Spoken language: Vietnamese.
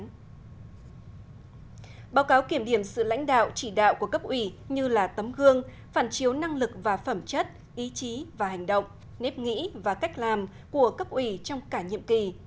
báo cáo kiểm điểm sự lãnh đạo chỉ đạo của cấp ủy như là tấm gương phản chiếu năng lực và phẩm chất ý chí và hành động nếp nghĩ và cách làm của cấp ủy trong cả nhiệm kỳ